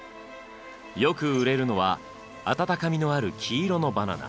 よく売れるのは温かみのある黄色のバナナ。